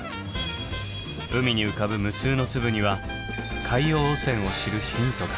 海に浮かぶ無数の粒には海洋汚染を知るヒントが。